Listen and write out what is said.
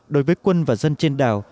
đối với quân và dân trên đảo